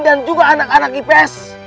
dan juga anak anak ips